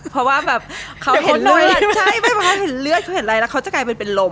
เพราะว่าแบบเขาเห็นเลือดเขาเห็นอะไรแล้วเขาจะกลายเป็นเป็นลม